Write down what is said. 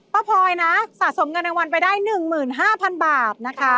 พลอยนะสะสมเงินรางวัลไปได้๑๕๐๐๐บาทนะคะ